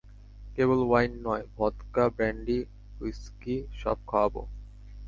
কেবল wine নয়, vodka, brandy, whisky, সব খাওয়াবো।